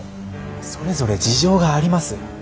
それぞれ事情があります。